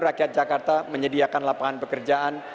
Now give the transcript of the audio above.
rakyat jakarta menyediakan lapangan pekerjaan